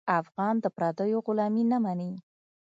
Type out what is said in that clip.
افغان د پردیو غلامي نه مني.